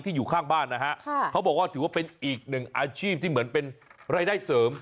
อยู่ข้างบ้านนะฮะเขาบอกว่าถือว่าเป็นอีกหนึ่งอาชีพที่เหมือนเป็นรายได้เสริม